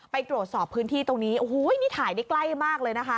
ไปตรวจสอบพื้นที่ตรงนี้โอ้โหนี่ถ่ายได้ใกล้มากเลยนะคะ